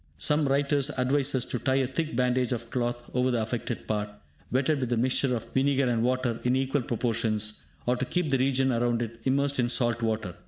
Some writers advise us to tie a thick bandage of cloth over the affected part, wetted with a mixture of vinegar and water in equal proportions, or to keep the region around it immersed in salt water.